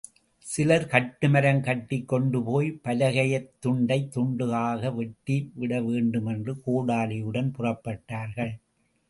சிலர் கட்டு மரம் கட்டிக் கொண்டு போய்ப் பலகையைத் துண்டு துண்டாக வெட்டிவிடவேண்டுமென்று கோடாலியுடன் புறப்பட்டார்கள்.